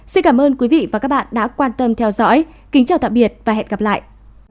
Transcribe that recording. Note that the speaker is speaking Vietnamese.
xin cảm ơn quý vị và các bạn đã quan tâm theo dõi kính chào tạm biệt và hẹn gặp lại